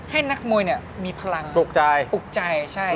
ให้นักมวยมีพลังปลูกใจ